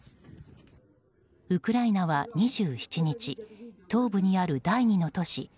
ウクライナは２７日東部にある第２の都市